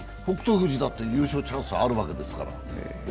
富士だって優勝のチャンスはあるわけだから。